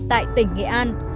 tại tỉnh nghệ an